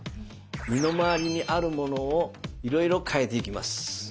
身の回りにあるものをいろいろ変えていきます。